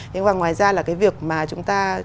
nhưng và ngoài ra là cái việc mà chúng ta